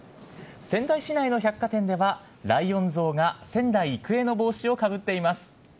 仙台市内の百貨店では、ライオン像が仙台育英の帽子をかぶっています。